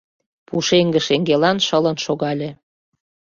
пушеҥге шеҥгелан шылын шогале.